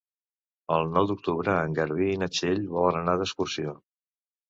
El nou d'octubre en Garbí i na Txell volen anar d'excursió.